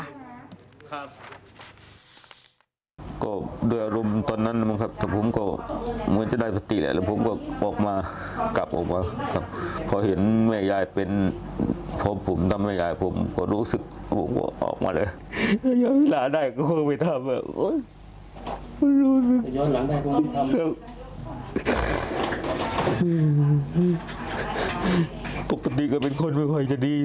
ฮือปกติก็เป็นคนไม่ไหวจะดีนะไม่นานไม่กินเหรออีกเนี่ย